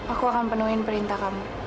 aku akan penuhin perintah kamu